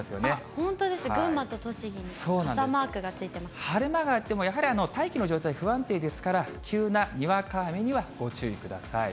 本当ですね、群馬と栃木、晴れ間があっても、やはり大気の状態、不安定ですから、急なにわか雨にはご注意ください。